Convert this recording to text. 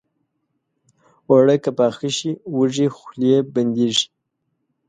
اوړه که پاخه شي، وږې خولې بندېږي